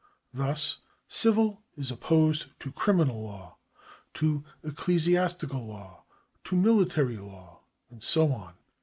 Thus civil is opposed to criminal law, to ecclesiastical law, to military law, and so on.